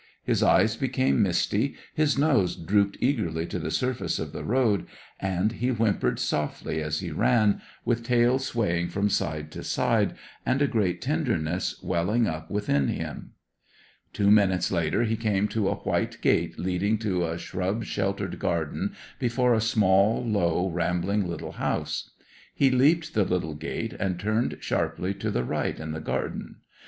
His eyes became misty, his nose drooped eagerly to the surface of the road, and he whimpered softly as he ran, with tail swaying from side to side, and a great tenderness welling up within him. Two minutes later he came to a white gate leading to a shrub sheltered garden before a small, low, rambling little house. He leaped the little gate, and turned sharply to the right in the garden.